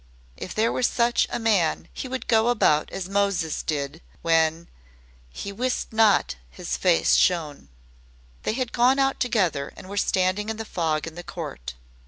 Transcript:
If there were such a man he would go about as Moses did when 'He wist not that his face shone.'" They had gone out together and were standing in the fog in the court.